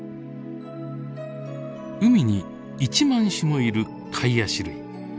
海に１万種もいるカイアシ類。